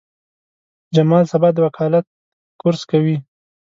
جمال سبا د وکالت کورس کوي.